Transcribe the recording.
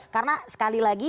karena sekali lagi